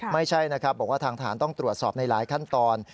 ไม่ใช่นะครับบอกว่าทางฐานต้องตรวจสอบในหลายขั้นตอน